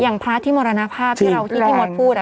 อย่างพระที่มรณภาพที่เราคิดที่หมดพูดอะ